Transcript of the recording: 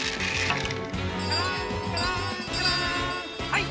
はい！